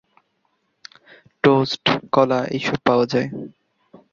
Toast, কলা এইসব পাওয়া যায়।